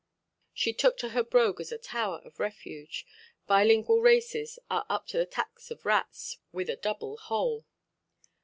She took to her brogue as a tower of refuge. Bilingual races are up to the tactics of rats with a double hole.